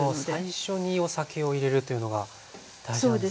最初にお酒を入れるというのが大事なんですね。